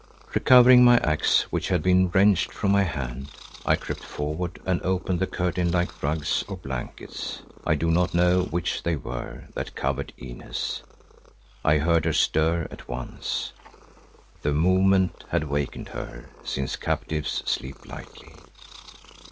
Recovering my axe, which had been wrenched from my hand, I crept forward and opened the curtain like rugs or blankets, I do not know which they were, that covered Inez. I heard her stir at once. The movement had wakened her, since captives sleep lightly.